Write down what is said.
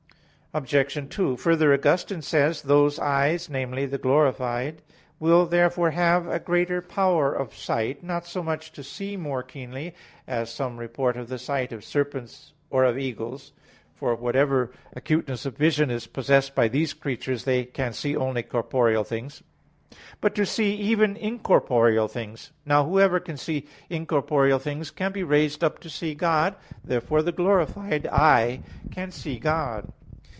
Obj. 2: Further, Augustine says (De Civ. Dei xxix, 29): "Those eyes" (namely the glorified) "will therefore have a greater power of sight, not so much to see more keenly, as some report of the sight of serpents or of eagles (for whatever acuteness of vision is possessed by these creatures, they can see only corporeal things) but to see even incorporeal things." Now whoever can see incorporeal things, can be raised up to see God. Therefore the glorified eye can see God.